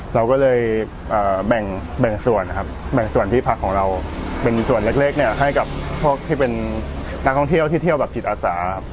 เราก็เลยแบ่งส่วนพี่พักของเราเป็นส่วนเล็กให้กับพวกที่เป็นนักท่องเที่ยวที่เที่ยวจิตอาสา